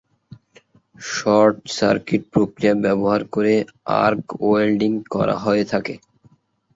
Short circuit প্রক্রিয়া ব্যবহার করে আর্ক ওয়েল্ডিং করা হয়ে থাকে।